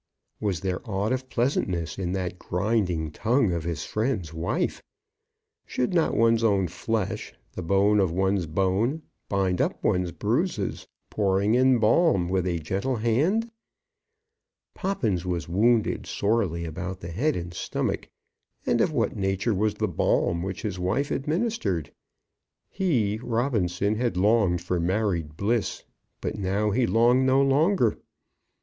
Was there aught of pleasantness in that grinding tongue of his friend's wife? Should not one's own flesh, the bone of one's bone, bind up one's bruises, pouring in balm with a gentle hand? Poppins was wounded sorely about the head and stomach, and of what nature was the balm which his wife administered? He, Robinson, had longed for married bliss, but now he longed no longer.